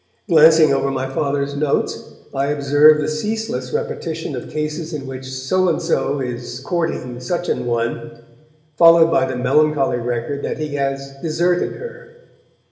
Glancing over my Father's notes, I observe the ceaseless repetition of cases in which So and So is 'courting' Such an one, followed by the melancholy record that he has 'deserted' her.